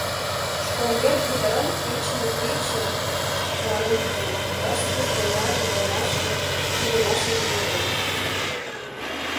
Школ йыр йытыран печыме пече шаланен пытен: тыште-тушто оҥаже, ломашыже кӱлдымашын кийылтыт.